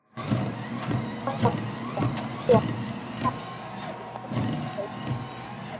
mpaka kufikia umri wa miezi mitatu ilapaitin